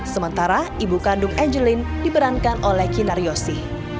sementara ibu kandung angelin diperankan oleh kinar yosi